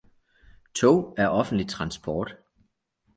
tog er offentlig transport